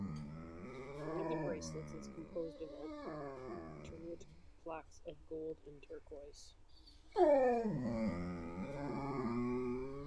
One of the bracelets is composed of alternate plaques of gold and turquoise.